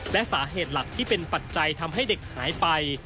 และสาเหตุหลักที่เป็นปัจจัยทำให้เด็กหายไป